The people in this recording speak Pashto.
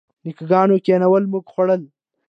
نیکه ګانو کینولي موږ خوړلي.